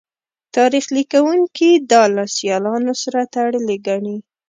تاریخ لیکوونکي دا له سیالانو سره تړلې ګڼي